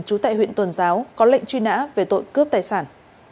trú tại huyện tuần giáo có lệnh truy nã về tội cướp tài sản